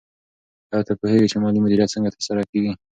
آیا ته پوهېږې چې مالي مدیریت څنګه ترسره کېږي؟